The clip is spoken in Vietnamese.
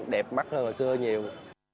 đẹp mắt hơn hồi xưa nhiều